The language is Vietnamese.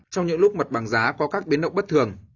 trong những lúc mặt bằng giá có các biến động bất thường